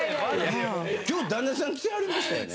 今日旦那さん来てはりましたよね？